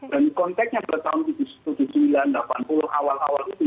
dan konteksnya pada tahun tujuh puluh sembilan delapan puluh awal awal itu